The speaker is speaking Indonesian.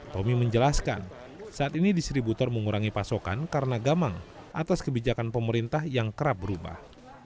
tommy menjelaskan saat ini distributor mengurangi pasokan karena gamang atas kebijakan pemerintah yang kerap berubah